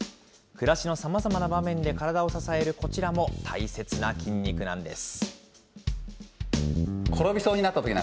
暮らしのさまざまな場面で体を支えるこちらも大切な筋肉なんです。